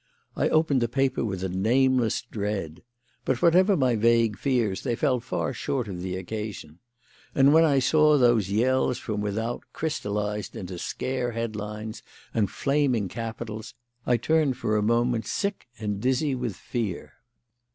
I opened the paper with a nameless dread. But whatever my vague fears, they fell far short of the occasion; and when I saw those yells from without crystallised into scare headlines and flaming capitals I turned for a moment sick and dizzy with fear.